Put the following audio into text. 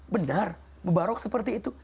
benar mubarok seperti itu